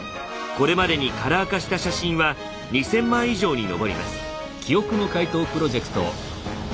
これまでにカラー化した写真は２，０００枚以上に上ります。